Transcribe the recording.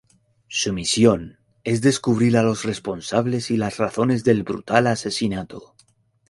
Su misión es descubrir a los responsables y las razones del brutal asesinato.